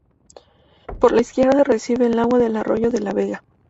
Por la izquierda recibe el agua del arroyo de la Vega.